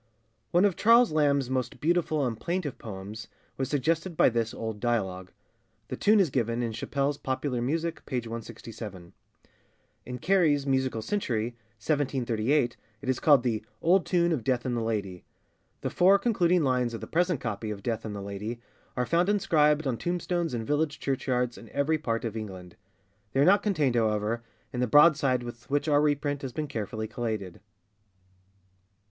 [ONE of Charles Lamb's most beautiful and plaintive poems was suggested by this old dialogue. The tune is given in Chappell's Popular Music, p. 167. In Carey's Musical Century, 1738, it is called the 'Old tune of Death and the Lady.' The four concluding lines of the present copy of Death and the Lady are found inscribed on tomb stones in village church yards in every part of England. They are not contained, however, in the broadside with which our reprint has been carefully collated.